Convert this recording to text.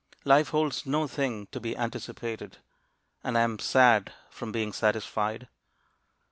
Life holds no thing to be anticipated, And I am sad from being satisfied.